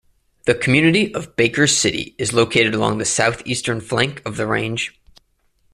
The community of Baker City is located along the south-eastern flank of the range.